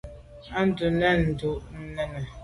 Nu dun tu i me dut nène.